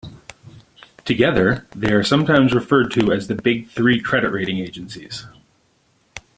Together, they are sometimes referred to as the Big Three credit rating agencies.